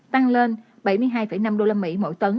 tăng lên bảy mươi hai năm usd mỗi tấn